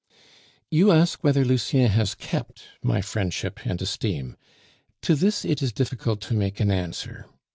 "You ask whether Lucien has kept my friendship and esteem; to this it is difficult to make an answer.